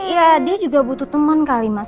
ya dia juga butuh teman kali mas